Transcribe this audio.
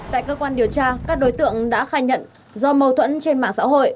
tại cơ quan điều tra các đối tượng đã khai nhận do mâu thuẫn trên mạng xã hội